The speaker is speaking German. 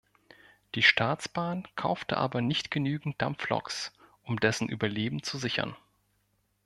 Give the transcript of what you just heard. Die Staatsbahn kaufte aber nicht genügend Dampfloks, um dessen Überleben zu sichern.